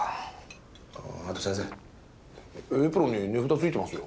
あと先生エプロンに値札ついてますよ。